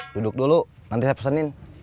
duduk dulu nanti saya pesenin